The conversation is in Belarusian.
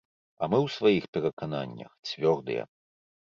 А мы ў сваіх перакананнях цвёрдыя.